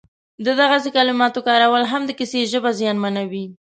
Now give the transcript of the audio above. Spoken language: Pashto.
د دغسې کلماتو کارول هم د کیسې ژبه زیانمنوي